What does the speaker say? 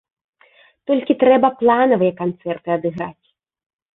Толькі трэба планавыя канцэрты адыграць.